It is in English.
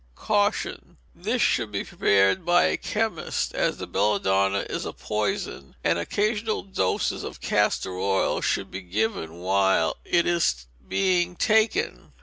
Caution, this should be prepared by a chemist, as the belladonna is a poison, and occasional doses of castor oil should be given while it is being taken.